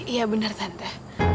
iya benar tante